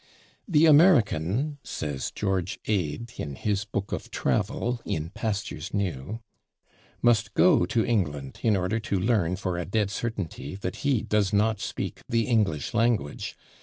"The American," says George Ade, in his book of travel, "In Pastures New," "must go to England in order to learn for a dead certainty that he does not speak the English language....